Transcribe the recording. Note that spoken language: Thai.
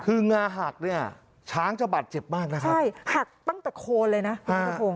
คืองาหักเนี่ยช้างจะบาดเจ็บมากนะครับใช่หักตั้งแต่โคนเลยนะคุณนัทพงศ